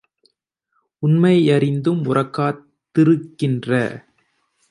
உண்மை யறிந்தும் உரைக்கா திருக்கின்ற